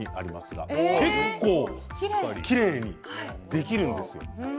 結構きれいにできるんです。